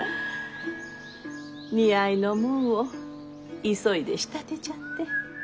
似合いのもんを急いで仕立てちゃって。